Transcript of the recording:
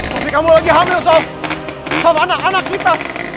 sofi kamu lagi hamil sof sof anak anak kita